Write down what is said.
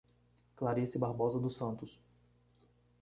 Clarice Barbosa dos Santos